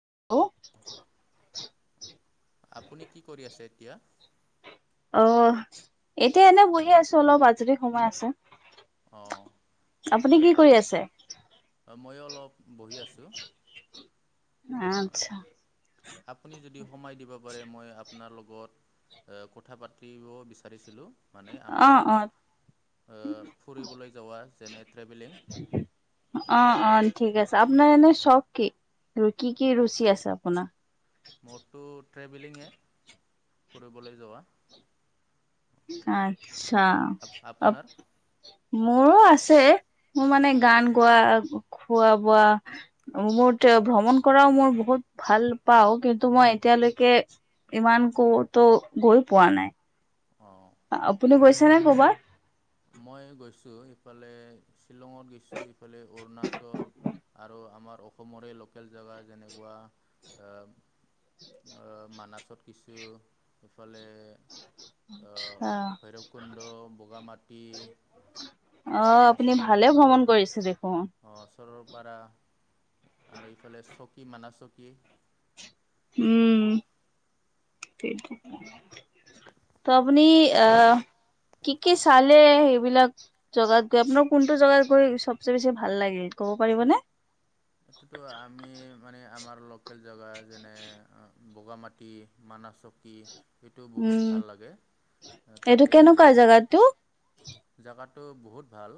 Hello আপুনি কি কৰি আছে এতিয়া অ এতিয়া এনে বহি আছো অলপ আজৰি সময় আছে অঁ আপুনি কি কৰি আছে হয় ময়ো অলপ বহি আছোঁ অঁ আচ্ছা আপুনি যদি কমাই দিব পাৰে মই আপোনাৰ লগত কথা পাতিব বিচাৰিছিলো মানে অ আমাৰ অ ফুৰিবলৈ যোৱা যেনে ট্ৰেভেলিং অ অঁ অ ঠিক আছে আপোনাৰ এনে চখ কি আৰু কি কি ৰুচি আছে আপোনাৰ মোৰতো ট্ৰেভেলিঙে কৰিবলৈ যোৱা আচ্ছা অ আপোনাৰ? মোৰো আছে মোৰ মানে গান গোৱা খোৱা বোৱা মোৰ ভ্ৰমণ কৰাও মই বহুত ভাল পাওঁ কিন্তু মই এতিয়ালৈকে ইমান কতো গৈ পোৱা নাই [inaudible] আপুনি গৈছেনে কৰ'বাত মই গৈছোঁ ইফালে শ্বিলঙত গৈছো ইফালে অৰুণাচল আৰু আমাৰ অসমৰে লোকেল জেগা যেনেকুৱা অ মানাছত কিছু এইফালে ভৈৰৱ কুণ্ড বুগামাঠ অ আপুনি ভালে ভ্ৰমণ কৰিছে দেখোন ওচৰৰ পাৰা আৰু এইফালে চকী মানা চকী সেইটোৱেই উম ত আপুনি আ কি কি চালে সেইবিলাক জেগাত গৈ আপোনাৰ কোনটো জেগাত গৈ চবচে বেছি ভাল লাগে ক'ব পাৰিবনে এইটোতো আমি মানে আমাৰ লোকেল জেগা যেনে বগামাটি, মানাহ চকী উম, এইটো কেনেকুৱা তাতে জেগাটো? জেগাটো বহুত ভাল।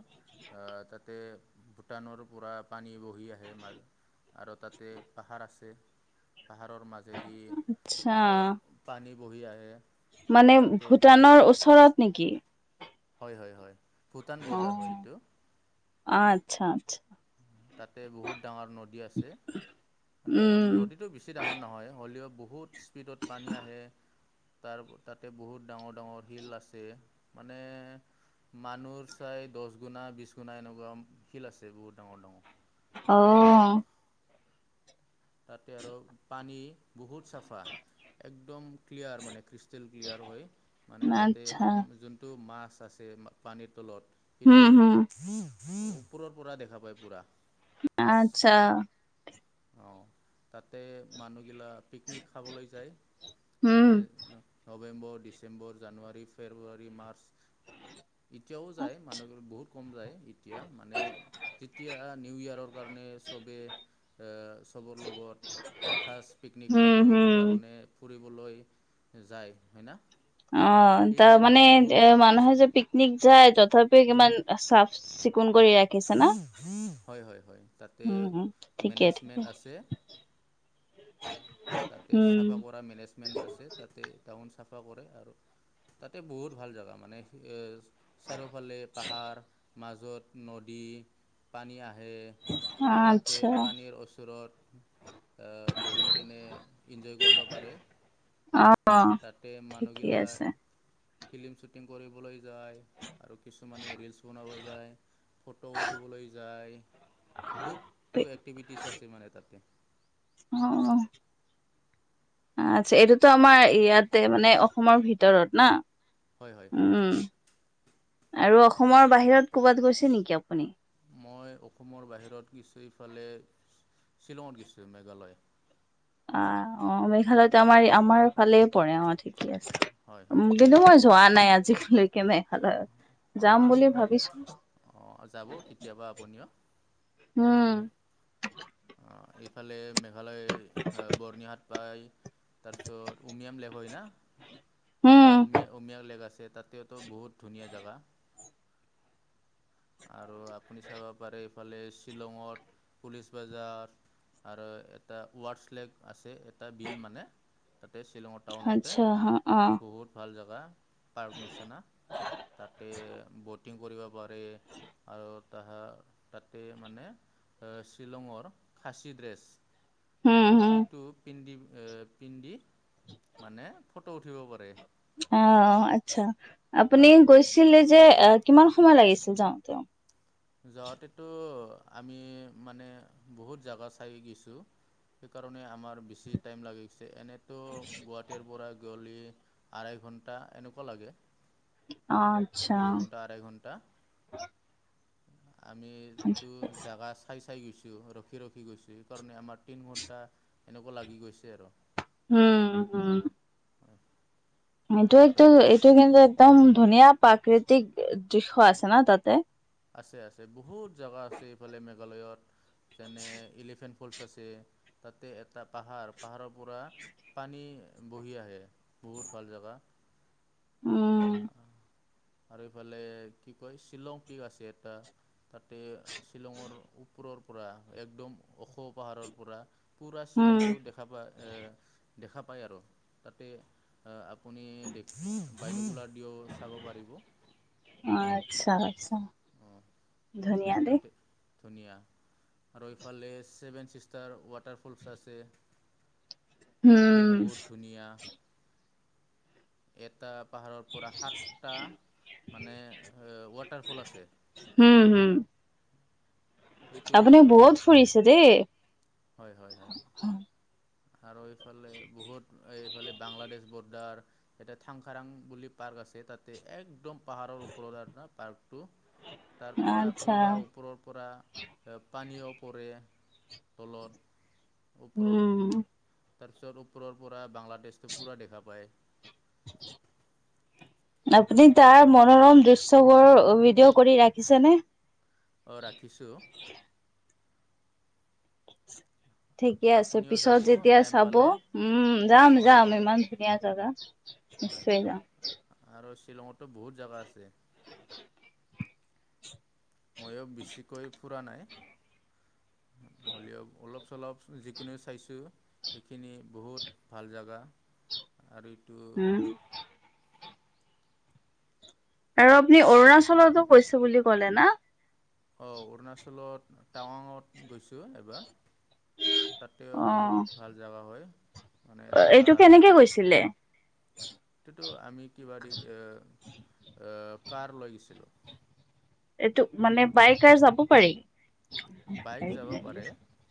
তাতে ভূটানৰ পৰা পানী বঢ়ি আহ্‌ আহে মানে আৰু তাতে পাহাৰ আছে। পাহাৰৰ মাজেদি, আচ্ছা আ পানী বঢ়ি আহে। মানে, তাতে ভূটানৰ ওচৰত নেকি? হ'য়, হ'য় হ'য় ভূটান বৰ্ডাৰ হ'য় এইটো। অঁ, আচ্ছা আচ্ছা। তাতে বহুত ডাঙৰ নদী আছে। মানে, উম নদীটো বেছি ডাঙৰ নহয় হলেও বহুত স্পীডত পানী আহে। তাৰ, তাতে বহুত ডাঙৰ, ডাঙৰ শিল আছে। মানে মানুহ চাই, দশ গুনা, বিশ গুনা এনেকুৱা শিল আছে বহুত ডাঙৰ ডাঙৰ। অঁ তাতে আৰু পানী বহুত চাফা। একদম ক্লিয়াৰ মানে খ্ৰিষ্টিল ক্লিয়াৰ হ'য়। মানে, তাতে আচ্ছা যোনটো মাহ্‌ -চাছ্‌ আছে পানীৰ তলত, হুম সেইটো হুম ওপৰৰ পৰা দেখা পায় পুৰা। আচ্ছা। অঁ, তাতে মানুহ গিলা পিকনিক খাবলৈ যায়। হুম যেনে ধৰক November, December, January, February, March. এতিয়াও যায়, মানুহবোৰ বহুত কম যায়। এতিয়া মানে, যেতিয়া নিউ ইয়েৰৰ কাৰণ্‌ ণে চবে, আঁ চবৰ লগত এসাজ পিকনিক হুম খাব হুম কাৰণে ফুৰি বলৈ যায় হ'য় না? অঁ, সেই তাৰ টাইমত মানে বহুত মানুহে যে পিক্‌ নিক যায়। তথাপিও কিমান চাফ চিকুণ কৰি ৰাখিছে না? হ'য়, হ'য় হ'য় তাতে উম, ঠিকে ঠিকে মেনেজমেণ্ট আছে। তাতে উম, চাফা কৰা মেনেজমেণ্ট আছে গ্ৰাউনচ্‌ চাফা কৰে আৰু তাতে বহুত ভাল জেগা মানে, এ চাৰিওফালে পাহাৰ, মাজত নদী, পানী আহ্‌ আহে তাতে আচ্ছা পানীৰ ওচৰত বহিকেনে ইনজয় কৰিব পাৰে। অঁ, তাতে ঠিকেই মানুহগিলা আছে। ফিল্ম শ্বুটিং কৰিবলৈ যায় আৰু কিছুমানে ৰিলচ্‌ বনাব যায়। ফটো উঠিবলৈ যায় বহুতটো এক্টিভিটিছ আছে মানে, তাতে। অঁ, অঁ। আচ্ছা, এইতোটো আমাৰ ইয়াতে মানে, অসমৰ ভিতৰত না? হ'য়, হ'য়, হ'য়। উম, আৰু অসমৰ বাহিৰত ক'বাত গৈছে নেকি আপ মই অসমৰ বাহিৰত গৈছোঁ এইফালে শ্বিলংত গৈছো, মেঘালয়। অঁ, অঁ মেঘালয়টো আমাৰ, আমাৰ ফালেই পৰে। অঁ ঠিক ঠিকে আছে। হয় হয় কিন্তু মই যোৱা নাই আজিলৈ কে মেঘালয়। হয় যাম হয় বুলি ভাৱিছো। অঁ যাব কেতিয়াবা আপুনিও হোঁ। অঁ এইফালে মেঘালয় আ বৰ্ণিহাট পায় তাৰপিছত উমিয়াম লেক হয় না? উম, এটা উমিয়া উমিয়াৰ লেক আছে। ছে তাতেটো বহুত ধুনীয়া জাগা। আৰু আপুনি চাব পাৰে এইফালে শ্বিলঙত পুলিচ বাজাৰ আৰু এটা ৱাৰ্ডছ লেক আছে, এটা বিল মানে, তাত শ্বিলংৰ টাউনতে আচ্ছা অ', বহুত ভাল জা থ পাৰ্ক নিচিনা। তাতে ব'টিং কৰিব পাৰে। আৰু তাহা তাতে মানে শ্বিলঙৰ খাচী ড্ৰেছ উম, উম। হম সেইটো পিন্ধি পিন্ধি মানে ফটো উঠিব পাৰে। অ, আচ্ছা আপুনি আৰু গৈছিলে যে আহ কিমান সময় লাগিছিল যাওঁতে? যাওঁতেটো আমি মানে বহুত জাগা চাই গৈছো। সেইকাৰণে আমাৰ বেছি টাইম লাগি গৈছে। এনে তো গুৱাহাটীৰ পৰা গলি আঢ়ৈ ঘণ্টা এনেকুৱা লাগে। আচ্ছা। দুই ঘণ্টা আঢ়াই ঘণ্টা। আমি এইটো জাগা চাই চাই গৈছো ৰখি- ৰখি গৈছোঁ। সেইকাৰণে আমাৰ তিন ঘণ্টা এনেকুৱা লাগি গৈছে আৰু। উম, হম। এইটো আৰু একটো এইটো কিন্তু একদম ধুনীয়া প্ৰাকৃতিক দৃশ্য আছে না তাতে? আছে, আছে বহুত জাগা আছে। এইফালে মেঘালয়ত যেনে এলিফেণ্ট ফলচ আছে। তাতে এটা পাহাৰ পাহাৰৰ পৰা পানী বহি আহে। বহুত ভাল জাগা। [inaudible] উম, আৰু এইফালে কি কয় শ্বিলং পিক আছে এটা। তাতে শ্বিলঙৰ ওপৰৰ পৰা একদম ওখ পাহাৰৰ পৰা পূৰা উম, শ্বিলংটো দেখা পায়। এ, দেখা পায় আৰু তাতে আপুনি [unintelligible] ডিঅ' চাব পাৰিব। অঁ ধুনিয়া দেই। তাতে ধুনীয়া আৰু এইফালে ছেভেন ছিষ্টাৰ ৱাটাৰফলছ আছে। এইটো উম, বহুত ধুনীয়া। এ সাতটা পাহাৰৰ পৰা সাতটা মানে ৱাটাৰফল আছে। হুম, হুম। সেইটো আপুনি উ বহুত ফুৰিছে দেই। হয় হয় হয় আৰু এইফালে বহুত এইফালে বাংলাদেছ বৰ্ডাৰ এটা থংখাৰাং বুলি পাৰ আছে তাতে একদম পাহাৰৰ ওপৰত না টো তাৰ পৰা আচ্ছা পুৰা ওপৰৰ পৰা পানীও পৰে, তলত ওপৰত। উম। তাৰপিছত ওপৰৰ পৰা বাংলাদেছটো পুৰা দেখা পায়। [inaudible] আপুনি তাৰ মনোৰম দৃশ্যবোৰ ভিডিঅ' কৰি ৰাখিছেনে? অ, ৰাখিছোঁ। ঠিকে আছে আপুনিও পিছত যাব যেতিয়া টাইম চাব পালে উম যা, ম হয় যাম হয় ইমান ধুনীয়া জেগা। হয় নিশ্চয় জাম। আৰু শ্বিলঙতো বহুত জাগা আছে। ময়ো বেছিকৈ ফুৰা নাই। উ। হ'লেও অলপ-চলপ যিখিনি চাইছোঁ সেইখিনি বহুত ভাল জেগা। আৰু এইটো উম। আৰু আপুনি অৰুণাচলতো কৈছে বুলি কলে না? অ, অৰুণাচলত টাৱাঙত গৈছো এবাৰ। তাতে বহুত ভাল জাগা হয়। অ, এইটো কেনেকে গৈছিলে? কিটো আমি কিবা দি কাৰ ল গিছিলো। এইটো মানে বাইকাৰ যাব পাৰি। বাইক যাব পাৰে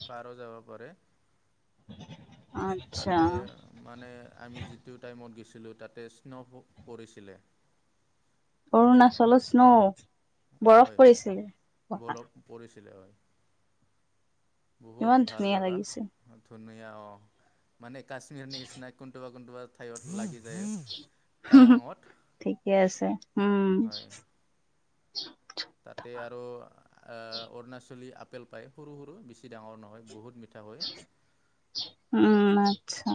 কাৰো যাব পাৰে। আচ্ছা তাতে মানে আমি যিটো টাইমত গৈছো। তাতে স্' পৰিছিল। অৰুণাচলত ন বৰফ হয় হয় পৰিছিলে। বৰফ পৰিছিলে বহুত ইমান ভাল ধুনীয়া জাগা লাগিছে ন অ মানে কাশ্মীৰ নি নিচিনা কোনোবা কোনোবা ঠাইত লাগিছিল। ঠিকে আছে উম। হয় তাতে আৰু অৰুণাচলী আপেল পায় সৰু সৰু বেছি ডাঙৰ নহয় বহুত ম। জাব ই। উম আচ্ছা।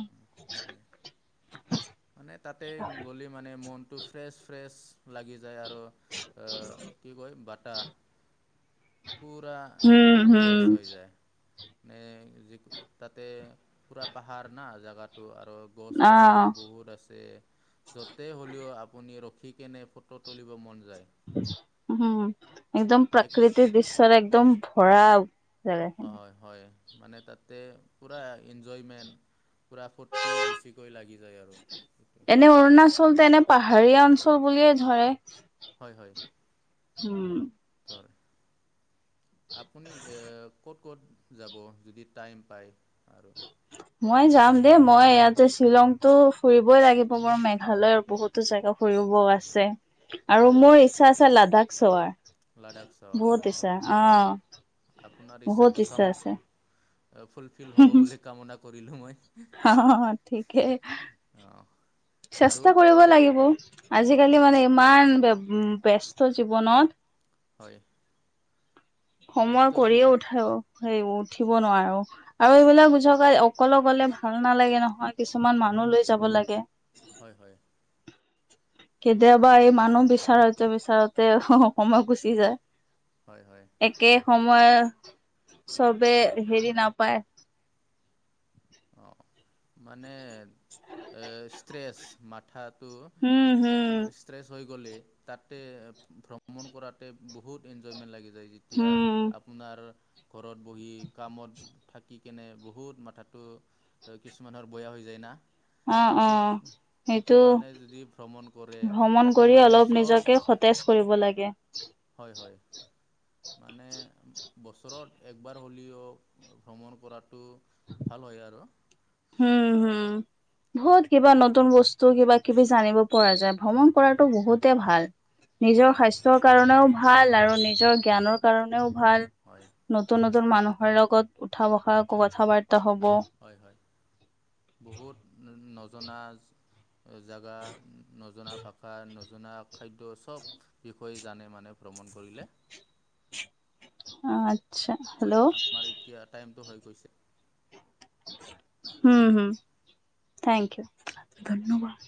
মানে তাতে গ'লে মানে মনতটো ফ্ৰেচ ফ্ৰেচ লাগি। য আৰু কয় বতাহ পূৰা উম হম ফ্ৰেছ হৈ যায়। মে য তাতে পুৰা পাহাৰ না জোগাটো আৰু। গছ অহ। গছনি বহুত যতে হলেও আপুনি ৰখি কেনে ফটো তুলিব মন। যায়। উম একদম এক প্ৰাকৃতিক দৃশ্য বেছি একদম ভৰা। জেগাখিনি। হয় হয় মানে তাতে পুৰা এনজয়মেণ্ট। পূৰা ফূুৰ্তি বেছিকৈ লাগি যায় আৰু স। আচল তেনে পাহাৰীয়া অঞ্চল বুলিয়ে ধৰে। হয় হয়। উম। আপুনি ক'ত। ক'ত যাব যদি টাইম পায়। উ আৰু [unintelligible] মই যাম দেই মই ইয়াতে শ্বিলংতো ফুৰিবই লাগিব বাৰ মেঘালয়ৰ বহুতো জাগগা। কৰিব আছে আৰু হয় মোৰ ইচ্ছা আছে লাডাখ চোৱাৰ। লাডাখ চাৱা বহুত অঁ ইচ্ছা আহ আপোনাৰ ইচ্ছাটো বহুত ইচ্ছা কামো আছে। ফুলফিল হব বুলি কামনা কৰিলো মই। অ ঠিকেই। অঁ আৰু চেষ্টা কৰিব লাগিব আজিকালি মানে ইমান ব। উম বস্ত জীৱনত। হয়। সময় ব্যস্ত জীৱ কৰিয়ে উঠাই সেই উঠিব নোৱাৰো আৰু হয় এইবিলাক বুচ। সকলো গলে ভাল নালাগে নহয় কিছুমান মানুহ লৈ যাব লাগে। হয় হয় অঁ কেতিয়াবা বে এই মানুহ বিচাৰোতে বিচাৰোতে সময় গুচি যায়। হয় হয়। একে সময় চবে হয় হেৰি নাপায়। অঁ [unintelligible] মানে সষ্ট্ৰেছ মথাত। উম হম। গলে তাতে ভ্ৰমণ কৰাতে বহুত এনজয়মেন্ট লাগি। যেতিয়া হম আপোনাৰ। ঘৰত বহি কামত থাকি কেনে বহুত মাথা। কিছুমানুহৰ বেয়া হৈ যায় না। অ অ সেই সেইটো কাৰণে যদি ভ্ৰমণ কৰে তাতে মানে চব। তেজ কৰিব লাগে। হয় হয়। মানে বছৰত একবাৰ হ'লেও ভ্ৰমণ কৰাতটো ভাল। ভাল হয় আৰু। হুম হুম। বহুত কিবা নতুন বস্তু কিবা কিবি জানিব পৰা যায় ভ্ৰমণ কৰাতটো বহুতে ভাল। নিজৰ হয় স্বাস্থ্যৰ কাৰণেও ভাল আৰু নিজৰ জ্ঞানৰ কাৰণেও। ভাল হয় নতুন নতুন মানুহৰ লগত উঠা বসা কথা বাৰ। তা হ'ব। হয় হয় বহুত নজনা জাগা, নজনা ভাষা,। খাদ্য সব বিষয়ে জানে মানে ভ্ৰমণ কৰিলে। অ হয় আমাৰ এতিয়া টাইমটো হৈ গৈছে। হম thank you home thank you ধন্যবাদ।